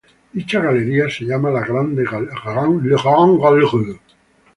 Dicha galería se llamó la "Grande Galerie".